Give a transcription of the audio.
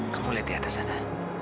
kamu letih adesana